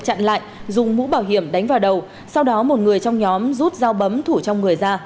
nạn nhân bị chặn lại dùng mũ bảo hiểm đánh vào đầu sau đó một người trong nhóm rút dao bấm thủ trong người ra